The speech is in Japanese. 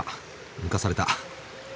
抜かされた。